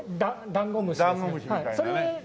ダンゴムシみたいなね。